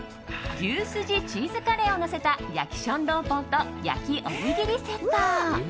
牛すじチーズカレーを乗せた焼き小籠包と焼きおにぎりセット。